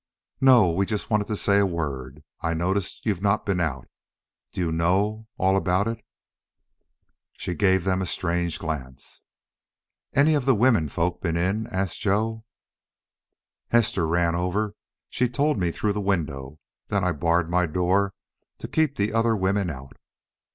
"No. We just wanted to say a word. I noticed you've not been out. Do you know all about it?" She gave them a strange glance. "Any of the women folks been in?" added Joe. "Hester ran over. She told me through the window. Then I barred my door to keep the other women out."